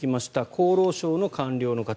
厚労省の官僚の方。